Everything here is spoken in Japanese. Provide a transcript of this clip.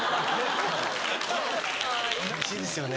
うれしいですよね。